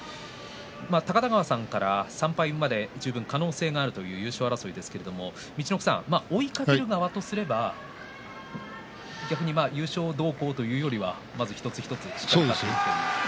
高田川さんから３敗まで十分可能性があるという優勝争いですけど追いかける側とすれば優勝どうこうというよりはまず一つ一つですね。